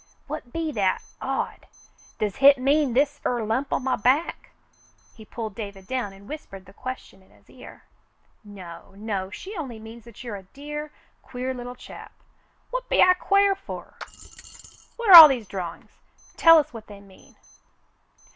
"W^hat be that — odd .^ Does hit mean this 'er lump on my back .5^" He pulled David down and w^hispered the question in his ear. "No, no. She only means that you're a dear, queer little chap." "Whatbelquarefer?" "What are all these drawings.^ Tell us what they mean."